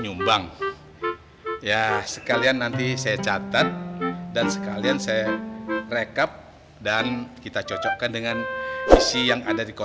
kurang ajar aja deh tuh sama orang tua itu